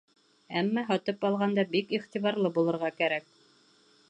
Әммә һатып алғанда бик иғтибарлы булырға кәрәк.